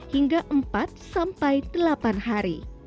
hingga empat sampai delapan hari